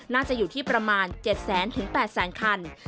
น่าจะอยู่ที่ประมาณ๗แสน๘แสนคัน